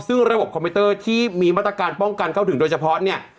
ซึ่งระบบคอมพิวเตอร์ที่มีมาตรการป้องกันเข้าถึงโดยเฉพาะเนี่ย